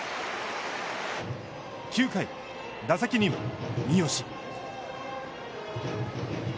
９回、打席には三好。